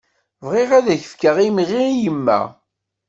Bɣiɣ ad fkeɣ imɣi i yemma.